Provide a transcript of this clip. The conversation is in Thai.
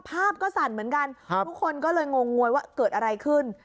ภาพก็สั่นเหมือนกันทุกคนก็เลยงงงวยว่าเกิดอะไรขึ้น